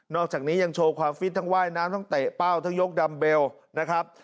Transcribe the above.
อกจากนี้ยังโชว์ความฟิตทั้งว่ายน้ำทั้งเตะเป้าทั้งยกดัมเบลนะครับ